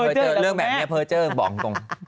เจอเรื่องแบบนี้เพอร์เจอร์บอกตรง